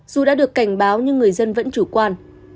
dù đã được cảnh báo nhưng người dân vẫn chủ quan